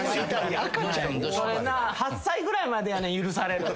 ８歳ぐらいまでやねん許されるん。